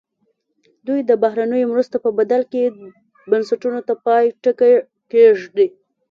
دوی د بهرنیو مرستو په بدل کې بنسټونو ته پای ټکی کېږدي.